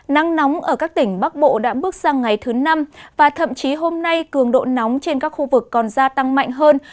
nắng nóng ở các tỉnh bắc bộ đã bước sang ngày thứ năm và thậm chí hôm nay cường độ nóng trên các khu vực còn gia tăng mạnh hơn